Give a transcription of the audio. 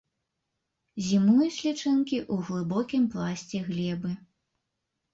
Зімуюць лічынкі ў глыбокім пласце глебы.